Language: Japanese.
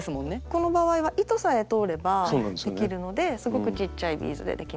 この場合は糸さえ通ればできるのですごくちっちゃいビーズでできます。